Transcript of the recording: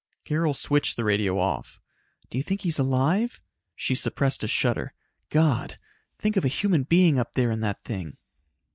Carol switched the radio off. "Do you think he's alive?" She suppressed a shudder. "God! Think of a human being up there in that thing."